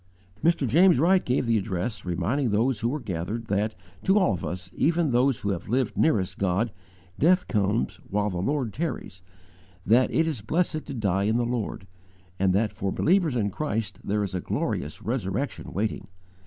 Mr. James Wright gave the address, reminding those who were gathered that, to all of us, even those who have lived nearest God, death comes while the Lord tarries; that it is blessed to die in the Lord; and that for believers in Christ there is a glorious resurrection waiting.